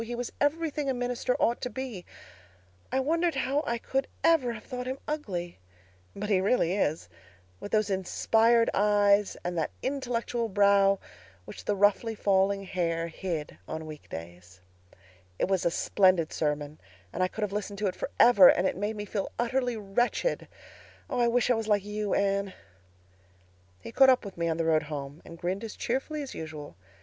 He was everything a minister ought to be. I wondered how I could ever have thought him ugly—but he really is!—with those inspired eyes and that intellectual brow which the roughly falling hair hid on week days. "It was a splendid sermon and I could have listened to it forever, and it made me feel utterly wretched. Oh, I wish I was like you, Anne. "He caught up with me on the road home, and grinned as cheerfully as usual.